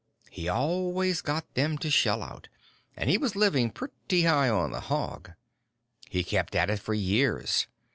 He always got them to shell out, and he was living pretty high on the hog. He kept at it for years.